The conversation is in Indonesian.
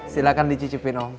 silahkan dicicipin om